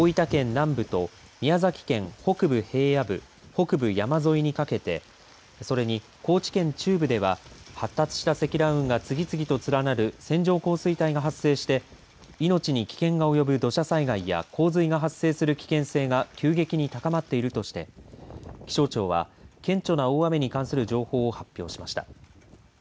南部と宮崎県北部、平野部北部山沿いにかけてそれに高知県中部では発達した積乱雲が次々と連なる線状降水帯が発生して命に危険が及ぶ土砂災害や洪水が発生する危険性が急激に高まっているとして気象庁は顕著な大雨に関する情報を発表しました。